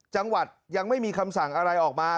จังหวัดยังไม่มีคำสั่งอะไรออกมา